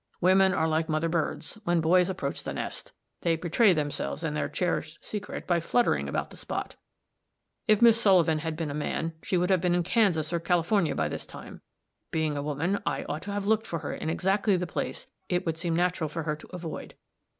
"Women are like mother birds, when boys approach the nest. They betray themselves and their cherished secret by fluttering about the spot. If this Miss Sullivan had been a man, she would have been in Kansas or California by this time; being a woman, I ought to have looked for her in exactly the place it would seem natural for her to avoid.